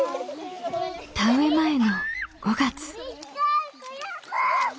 田植え前の５月。